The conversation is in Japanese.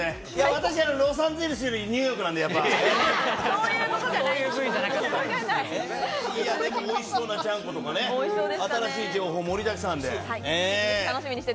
私はロサンゼルスよりニューヨークなので、おいしそうなちゃんことかね、新しい情報盛りだくさんでね。